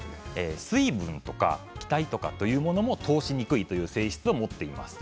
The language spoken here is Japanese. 水分とか気体とかというのも通しにくいという性質を持っています。